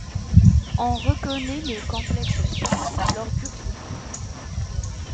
On reconnait le complexe sportif lors du clip.